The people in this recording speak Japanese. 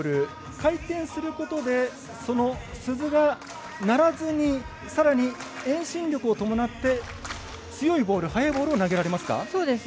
回転することでその鈴が鳴らずにさらに、遠心力を伴って強いボール速いボールを投げられますか。